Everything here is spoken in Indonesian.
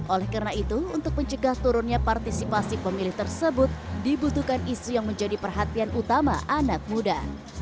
oleh karena itu untuk mencegah turunnya partisipasi pemilih tersebut dibutuhkan isu yang menjadi perhatian utama anak muda